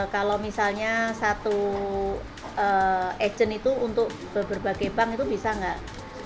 kalau misalnya satu agent itu untuk berbagai bank itu bisa nggak